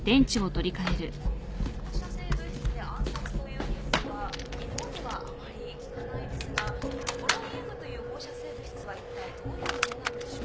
放射性物質で暗殺というニュースは日本ではあまり聞かないですがポロニウムという放射性物質はいったいどういうものなのでしょうか。